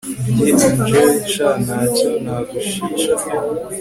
Njye angel sha ntacyo naguhisha pe